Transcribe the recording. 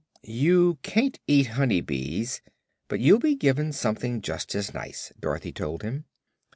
"You can't eat honey bees, but you'll be given something just as nice," Dorothy told him.